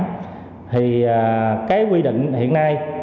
thì cái quy định hiện nay